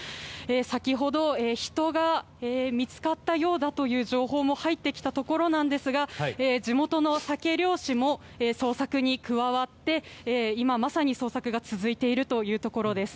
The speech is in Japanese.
先ほど、人が見つかったようだという情報も入ってきたところですが地元のサケ漁師も捜索に加わって今まさに捜索が続いているというところです。